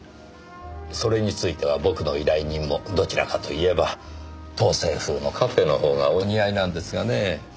それについては僕の依頼人もどちらかと言えば当世風のカフェのほうがお似合いなんですがね。